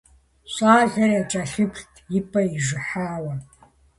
Щӏалэр якӀэлъыплът и пӀэ ижыхьауэ.